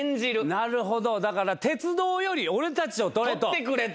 なるほどだから鉄道より俺たちを撮れと。